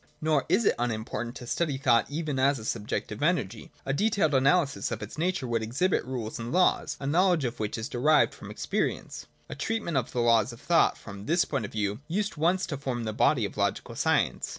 Nor is it unimportant to study thought even as a subjective energy. A detailed analysis of its nature would exhibit rules and laws, a knowledge of which is derived from experience. A treatment of the laws of thought, from this point of view, used once to form the body of logical science.